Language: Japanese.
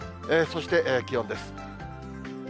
そして気温です。